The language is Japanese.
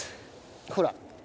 ほら。